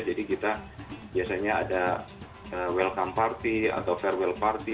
jadi kita biasanya ada welcome party atau farewell party